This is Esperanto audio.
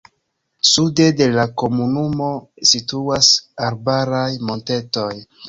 Sude de la komunumo situas arbaraj montetoj.